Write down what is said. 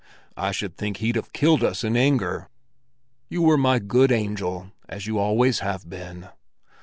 I should think he'd have killed us in his anger. You were my good angel as you always have been."